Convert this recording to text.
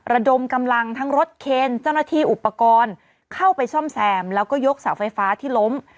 ระดมกำลังทั้งรถเคนเจ้าหน้าที่อุปกรณ์เข้าไปซ่อมแซมแล้วก็ยกเสาไฟฟ้าที่ล้ม